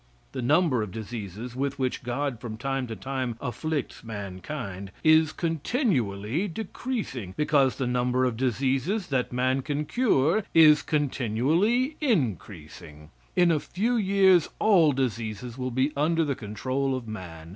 The number of diseases with which God from time to time afflicts mankind is continually decreasing, because the number of diseases that man can cure is continually increasing. In a few years all diseases will be under the control of man.